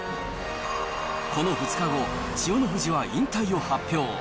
この２日後、千代の富士は引退を発表。